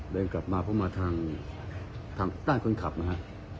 เดินกลับมาเพราะมาทางด้านคนขับนะฮะ